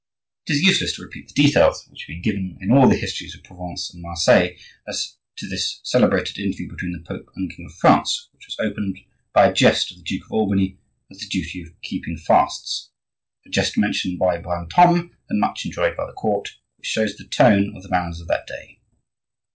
It is useless to repeat the details, which have been given in all the histories of Provence and Marseille, as to this celebrated interview between the Pope and the king of France, which was opened by a jest of the Duke of Albany as to the duty of keeping fasts,—a jest mentioned by Brantome and much enjoyed by the court, which shows the tone of the manners of that day.